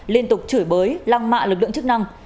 liên tục chửi bới lăng mạ lực lượng chức năng